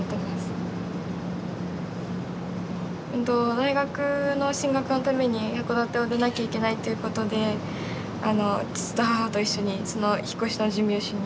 大学の進学のために函館を出なきゃいけないということで父と母と一緒にその引っ越しの準備をしに。